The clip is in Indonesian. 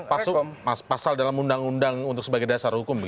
masuk pasal dalam undang undang untuk sebagai dasar hukum